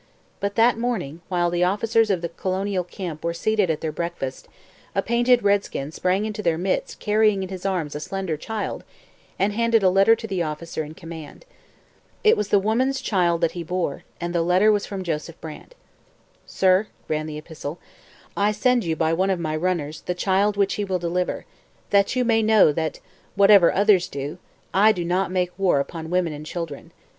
But that morning, while the officers of the colonial camp were seated at their breakfast, a painted redskin sprang into their midst carrying in his arms a slender child and handed a letter to the officer in command. It was the woman's child that he bore, and the letter was from Joseph Brant. 'Sir,' ran the epistle, 'I send you by one of my runners the child which he will deliver, that you may know that whatever others do, I do not make war upon women and children.